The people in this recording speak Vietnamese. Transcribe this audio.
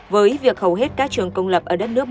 với việc hầu hết các trường công lập ở đất nước